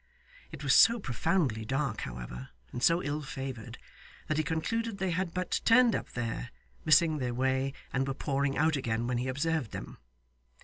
It was so profoundly dark, however, and so ill favoured, that he concluded they had but turned up there, missing their way, and were pouring out again when he observed them.